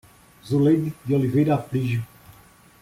Zuleide de Oliveira Aprigio